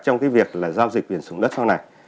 trong cái việc là giao dịch quyền sử dụng đất sau này